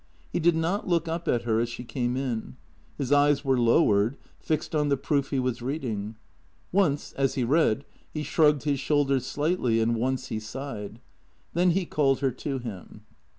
He did not look up at her as she came in. His eyes were lowered, fixed on the proof he was reading. Once, as he read, he shrugged his shoulders slightly, and once he sighed. Then he called her to him.